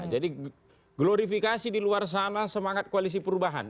jadi glorifikasi di luar sana semangat koalisi perubahan